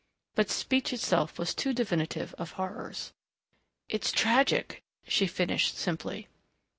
But speech itself was too definitive of horrors. "It's tragic," she finished simply.